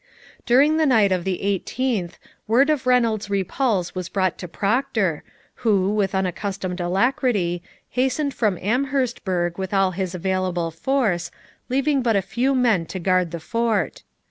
During the night of the 18th word of Reynolds's repulse was brought to Procter, who, with unaccustomed alacrity, hastened from Amherstburg with all his available force, leaving but a few men to guard the fort.